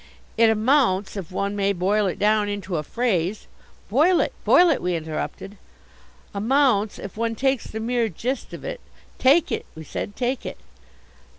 "It amounts, if one may boil it down into a phrase " "Boil it, boil it," we interrupted. "Amounts, if one takes the mere gist of it " "Take it," we said, "take it."